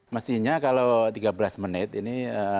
mestinya kalau tiga belas menit ini